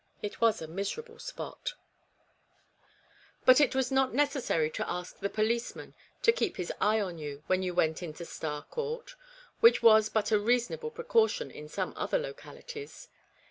It was a miserable spot ; but it was not necessary to ask the policeman to keep his eye on you, when you went into Star Court, which was but a reasonable precaution in some other localities.